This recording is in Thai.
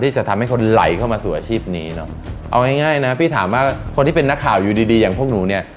จะทำให้คนไหลเข้ามาสู่อาชีพนี้เนอะเอาง่ายง่ายนะพี่ถามว่าคนที่เป็นนักข่าวอยู่ดีดีอย่างพวกหนูเนี่ย